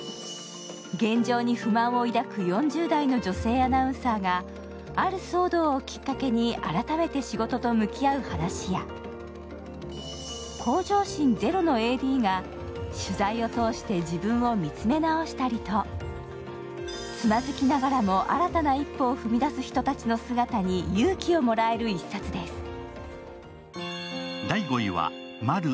現状に不満を抱く４０代の女性アナウンサーがある騒動をきっかけに改めて仕事と向き合う話や向上心ゼロのＡＤが取材を通して自分を見つめ直したりとつまずきながらも新たな一歩を踏み出す人たちの姿に勇気をもらえる一冊です。